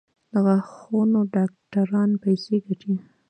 د غاښونو ډاکټران پیسې ګټي؟